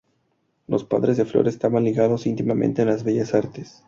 Los padres de Flora estaban ligados íntimamente a las bellas artes.